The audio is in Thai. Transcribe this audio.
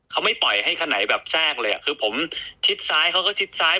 เขาไม่ปล่อยให้คันไหนแบบแทรกเลยอ่ะคือผมชิดซ้ายเขาก็ชิดซ้าย